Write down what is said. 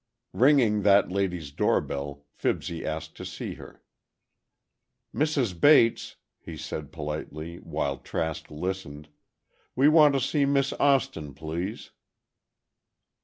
Ringing that lady's doorbell, Fibsy asked to see her. "Mrs. Bates," he said, politely, while Trask listened, "we want to see Miss Austin, please."